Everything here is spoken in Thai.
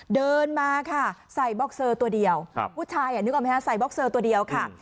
เดินมาค่ะใส่บ็อกเซอร์ตัวเดียวผู้ชายนึกออกไหมฮะใส่บ็อกเซอร์ตัวเดียวค่ะ